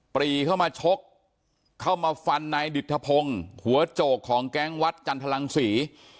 ปรีเข้ามาชกเข้ามาฟันนายดิตทพงศ์หัวโจกของแก๊งวัดจันทรังศรี